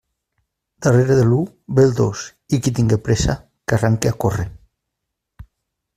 Darrere de l'u ve el dos, i qui tinga pressa que arranque a córrer.